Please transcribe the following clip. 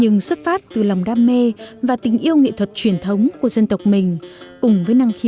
nhưng xuất phát từ lòng đam mê và tình yêu nghệ thuật truyền thống của dân tộc mình và nỗ lực chịu khó ham học hỏi